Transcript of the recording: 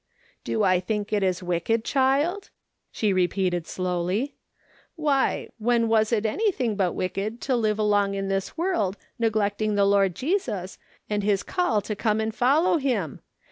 "Do I think it is wicked, child ?" she repeated slowly. " Why, when was it anything but wicked to live along in this world neglecting the Lord Jesus, and his call to come and follow him